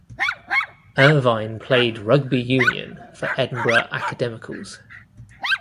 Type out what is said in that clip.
Irvine played rugby union for Edinburgh Academicals.